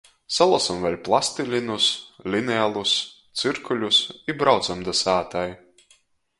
Salosom vēļ plastilinus, linealus, cyrkuļus i braucam da sātai.